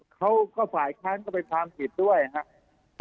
เขาก็ฝ่ายทางไปทำผิดด้วยครับ